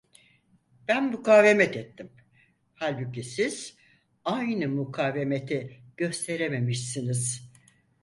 Ben mukavemet ettim, halbuki siz aynı mukavemeti gösterememişsiniz.